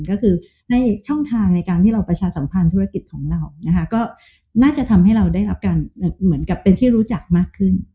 ก็คือให้ช่องทางในการที่เราประชาสัมพันธ์ธุรกิจของเรานะคะก็น่าจะทำให้เราได้รับการเหมือนกับเป็นที่รู้จักมากขึ้น